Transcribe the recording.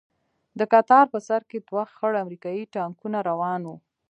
د کتار په سر کښې دوه خړ امريکايي ټانکان روان وو.